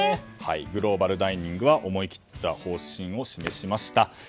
グローバルダイニングは思い切った方針を示しました。